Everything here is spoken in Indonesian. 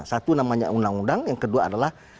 satu namanya undang undang yang kedua adalah